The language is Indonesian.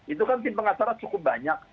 itu kan tim pengacara cukup banyak